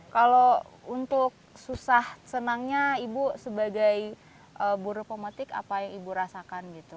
kalau untuk susah senangnya ibu sebagai buru pemetik apa yang ibu rasakan gitu